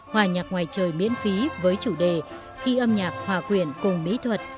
hòa nhạc ngoài trời miễn phí với chủ đề khi âm nhạc hòa quyện cùng mỹ thuật